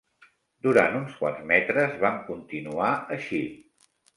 Durant uns quants metres vam continuar així